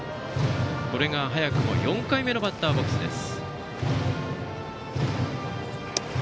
これが早くも４回目のバッターボックスです。